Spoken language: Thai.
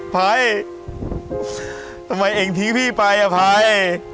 ภัยทำไมเองทิ้งพี่ไปอภัย